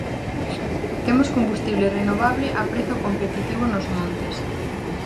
Temos combustible renovable a prezo competitivo nos montes.